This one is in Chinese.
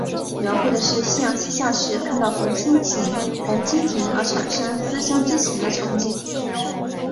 描绘的是夕阳西下时看到红蜻蜓而产生思乡之情的场景。